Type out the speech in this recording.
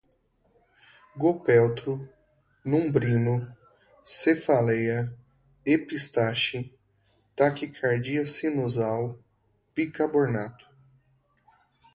goprelto, numbrino, cefaleia, epistaxe, taquicardia sinusal, bicarbonato